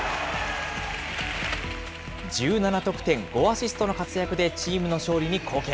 １７得点５アシストの活躍でチームの勝利に貢献。